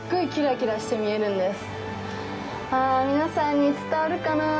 あ、皆さんに伝わるかなあ。